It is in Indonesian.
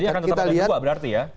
jadi akan tetap ada juga berarti ya